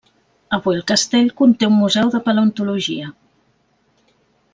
Avui el castell conté un museu de paleontologia.